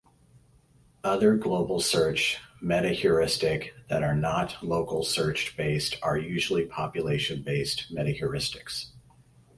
Other global search metaheuristic that are not local search-based are usually population-based metaheuristics.